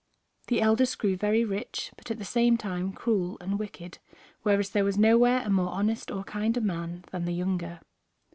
The eldest grew very rich, but at the same time cruel and wicked, whereas there was nowhere a more honest or kinder man than the younger.